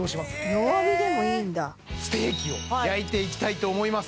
弱火でもいいんだステーキを焼いていきたいと思います